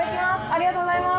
ありがとうございます。